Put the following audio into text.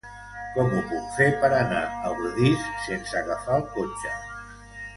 Com ho puc fer per anar a Ordis sense agafar el cotxe?